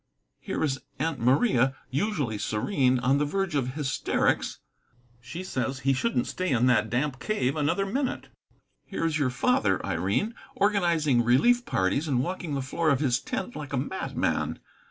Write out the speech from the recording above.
Here is Aunt Maria, usually serene, on the verge of hysterics: she says he shouldn't stay in that damp cave another minute. Here is your father, Irene, organizing relief parties and walking the floor of his tent like a madman.